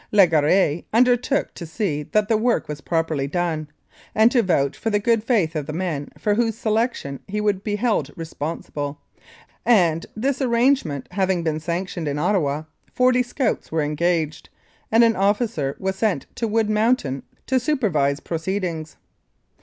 Legarre undertook to see that the work was properly done, and to vouch for the good faith of the men for whose selection he would be held responsible, and, this arrangement having been sanctioned in Ottawa, forty scouts were engaged, and an officer was sent to Wood Mountain to supervise proceedings.